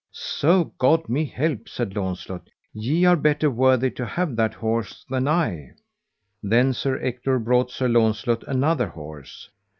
So God me help, said Launcelot, ye are better worthy to have that horse than I. Then Sir Ector brought Sir Launcelot another horse.